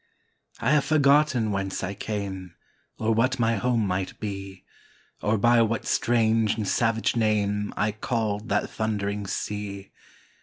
I have forgotten whence I came, Or what my home might be, Or by what strange and savage name I called that thundering sea.